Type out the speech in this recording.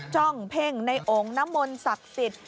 จ้องเพ่งในองค์น้ำมนต์ศักดิ์สิทธิ์